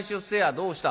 「どうした？」。